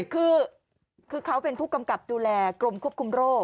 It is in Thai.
คือเขาเป็นผู้กำกับดูแลกรมควบคุมโรค